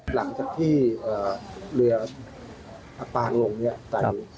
หลังจากที่เรืออัฟพรานลงนี่